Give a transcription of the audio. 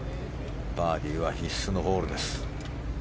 バーディーは必須のホールです。